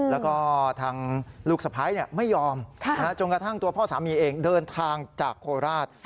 แล้วก็ทางลูกสะพ้ายไม่ยอมจนกระทั่งตัวพ่อสามีเองเดินทางจากโคราช